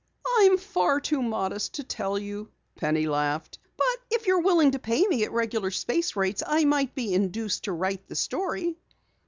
"I'm far too modest to tell you," Penny laughed. "If you're willing to pay me at regular space rates, I might be induced to write the story."